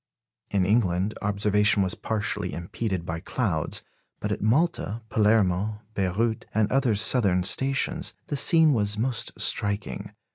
In England, observation was partially impeded by clouds; but at Malta, Palermo, Beyrout, and other southern stations, the scene was most striking.